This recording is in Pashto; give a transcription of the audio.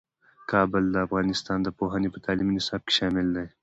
کابل د افغانستان د پوهنې په تعلیمي نصاب کې شامل دی.